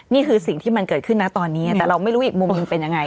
นี่คือสิ่งที่มันเกิดขึ้นนะตอนนี้แต่เราไม่รู้อีกมุมมันเป็นยังไง